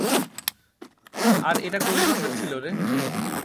আর এটা কোন ক্লাসের ছিলো রে?